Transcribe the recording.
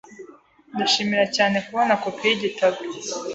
Ndashimira cyane kubona kopi yigitabo.